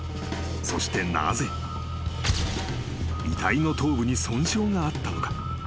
［そしてなぜ遺体の頭部に損傷があったのか？］